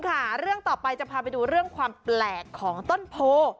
ค่ะเรื่องต่อไปจะพาไปดูเรื่องความแปลกของต้นโพ